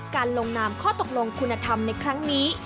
ลงนามข้อตกลงคุณธรรมในครั้งนี้